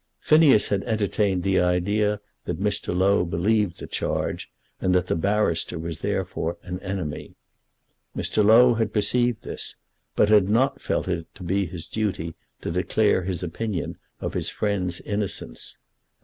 Phineas had entertained the idea that Mr. Low believed the charge, and that the barrister was therefore an enemy. Mr. Low had perceived this, but had not felt it to be his duty to declare his opinion of his friend's innocence.